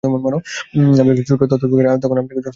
আমি আপনাকে একটা ছোট্ট তথ্য দেবো, আর আপনি আমাকে সত্যটা জানাবেন।